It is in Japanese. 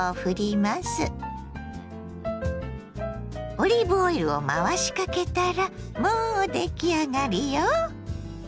オリーブオイルを回しかけたらもう出来上がりよ。